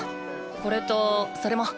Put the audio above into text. これとそれも。